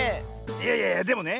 いやいやいやでもね